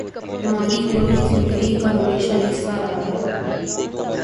ہماری قومی زندگی کا ہمیشہ حصہ رہا ہے۔